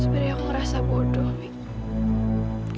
sebenernya aku ngerasa bodoh mik